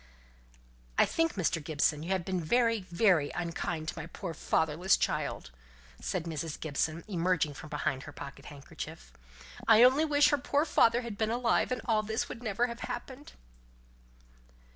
"I think, Mr. Gibson, you have been very very unkind to my poor fatherless child," said Mrs. Gibson, emerging from behind her pocket handkerchief. "I only wish her poor father had been alive, and all this would never have happened."